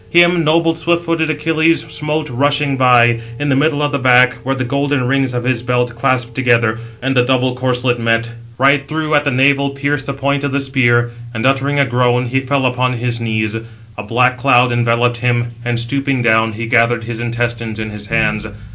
Him noble swift footed Achilles smote rushing by, in the middle of the back, where the golden rings of his belt clasped together, and the doubled corslet met. Right through at the navel pierced the point of the spear, and uttering a groan, he fell upon his knees; a black cloud enveloped him, and stooping down, he gathered his intestines in his hands.